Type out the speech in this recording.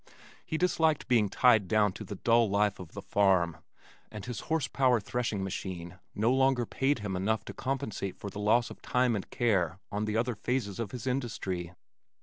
He disliked being tied down to the dull life of the farm, and his horse power threshing machine no longer paid him enough to compensate for the loss of time and care on the other phases of his industry.